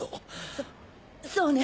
そそうね。